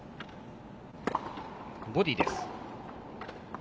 ボディーです。